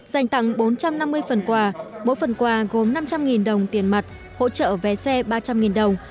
dành tặng bốn trăm năm mươi phần quà mỗi phần quà gồm năm trăm linh đồng tiền mặt hỗ trợ vé xe ba trăm linh đồng